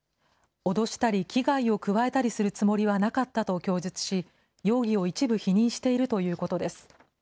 脅したり危害を加えたりするつもりはなかったと供述し、容疑を一部否認しているということです。